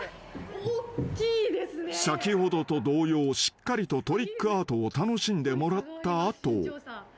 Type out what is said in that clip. ［先ほどと同様しっかりとトリックアートを楽しんでもらった後］